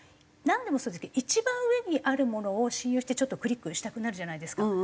なんでもそうですけど一番上にあるものを信用してちょっとクリックしたくなるじゃないですか。